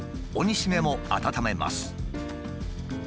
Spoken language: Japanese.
お煮しめも温めます。